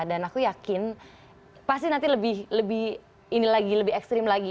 dan aku yakin pasti nanti lebih ini lagi lebih ekstrim lagi